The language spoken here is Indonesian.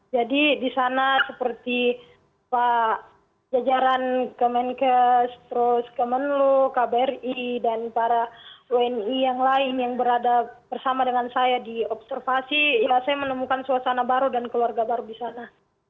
jadi di sana seperti pak jajaran kemenkes terus kemenlo kbri dan para uni yang lain yang berada bersama dengan saya di observasi ya saya menemukan suasana baru dan keluarga baru di sana